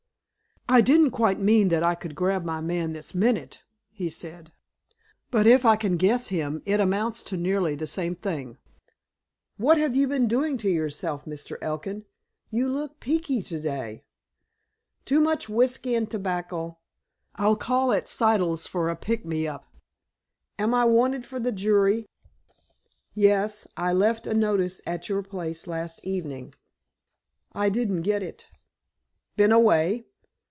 "I didn't quite mean that I could grab my man this minute," he said, "but, if I can guess him, it amounts to nearly the same thing. What have you been doing to yourself, Mr. Elkin? You look peeky to day." "Too much whiskey and tobacco. I'll call at Siddle's for a 'pick me up.' Am I wanted for the jury?" "Yes. I left a notice at your place last evening." "I didn't get it." "Been away?"